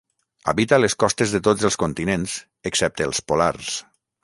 Habita les costes de tots els continents, excepte els polars.